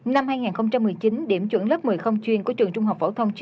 năm hai nghìn một mươi chín điểm chuẩn lớp một mươi không chuyên của trường trung học phổ thông